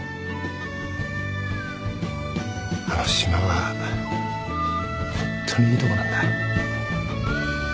あの島はホントにいいとこなんだ。